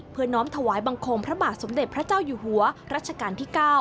น้อมถวายบังคมพระบาทสมเด็จพระเจ้าอยู่หัวรัชกาลที่๙